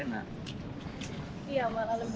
iya malah lebih